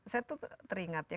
saya tuh teringat ya